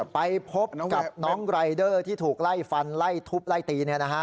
ไปพบกับน้องรายเดอร์ที่ถูกไล่ฟันไล่ทุบไล่ตี